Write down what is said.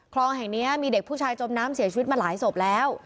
คลองแห่งนี้มีเด็กผู้ชายจมน้ำเสียชีวิตมาหลายศพแล้ว